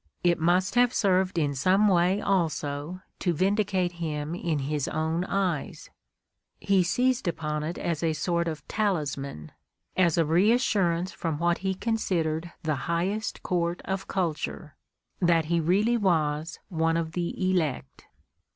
It must have served in some way also to vindicate him in his own eyes; he seized upon it as a sort of talisman, as a reassurance from what he considered the highest court of culture, that he really was one of the elect.